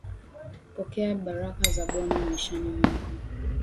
Pokea baraka za bwana maishani mwako